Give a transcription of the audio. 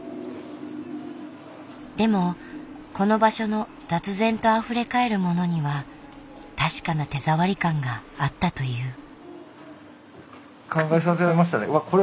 でもこの場所の雑然とあふれ返るものには確かな手触り感があったという。